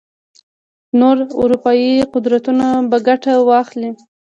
نور اروپايي قدرتونه به ګټه واخلي.